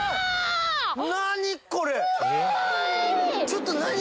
ちょっと何？